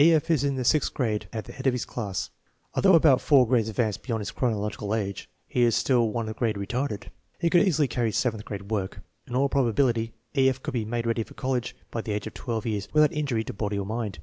E. E\ is in the sixth grade and at the head of his class. Although abouilt four grades advanced beyond his chronological age he is still owe grade retarded! He could easily carry seventh grade work. In all probability E. F. could be made ready for college by the age of 12 years without injury to body or mind.